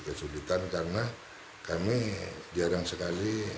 kesulitan karena kami jarang sekali